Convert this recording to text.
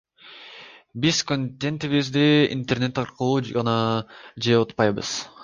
Биз контентибизди интернет аркылуу гана жайылтпайбыз.